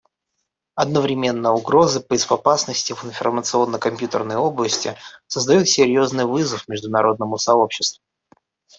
Одновременно угрозы безопасности в информационно-компьютерной области создают серьезный вызов международному сообществу.